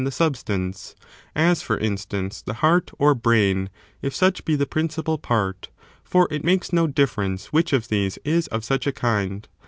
191 the substance : as, for instance, the heart or brain, if such be the principal part, for it makes no difference which of these is of such a kind.